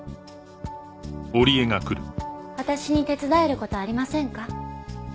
私に手伝える事ありませんか？